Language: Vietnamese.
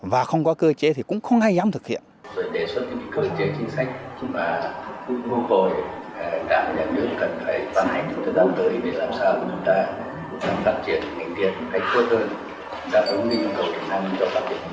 và đồng minh cầu điện năng cho các địa phương tiên sở hữu đất nước chúng ta